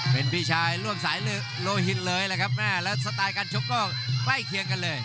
เป็นพี่ชายร่วมสายโลหินเลยแหละครับแม่แล้วสไตล์การชกก็ใกล้เคียงกันเลย